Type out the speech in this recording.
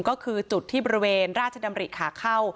ก็คือจุดที่บริเวณราชดำริขาเข้า